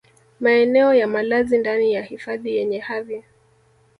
maeneo ya malazi ndani ya hifadhi yenye hadhi